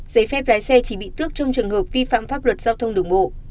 giấy phép lái xe chỉ bị tước trong trường hợp vi phạm pháp luật giao thông đường bộ